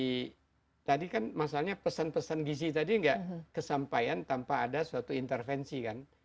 jadi tadi kan masalahnya pesan pesan gizi tadi nggak kesampaian tanpa ada suatu intervensi kan